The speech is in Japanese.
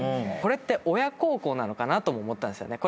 これって親孝行なのかなとも思ったんです。